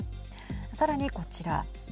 さらにこちら。